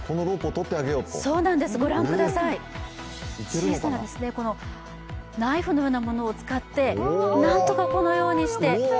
小さなナイフのようなものを使って、なんとかこのようにして。